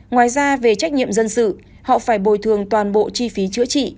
ngoài ra về trách nhiệm dân sự họ phải bồi thường toàn bộ chi phí chữa trị